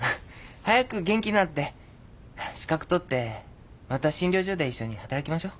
早く元気になって資格取ってまた診療所で一緒に働きましょう。